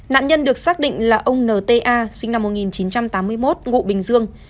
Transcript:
nạn nhân được xác định là ông nta sinh năm một nghìn chín trăm tám mươi một ngụ bình dương